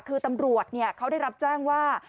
คือตำรวจเขาได้รับแจ้งว่า